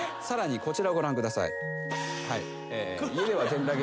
さらにこちらをご覧ください。